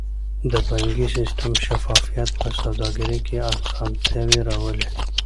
د بانکي سیستم شفافیت په سوداګرۍ کې اسانتیاوې راولي.